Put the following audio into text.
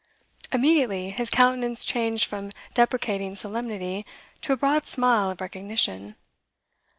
Immediately his countenance changed from deprecating solemnity to a broad smile of recognition.